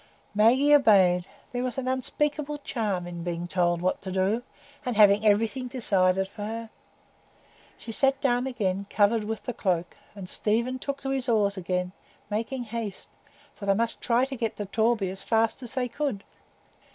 Maggie obeyed; there was an unspeakable charm in being told what to do, and having everything decided for her. She sat down again covered with the cloak, and Stephen took to his oars again, making haste; for they must try to get to Torby as fast as they could.